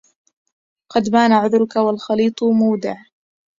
قد بان عذرك والخليط مودع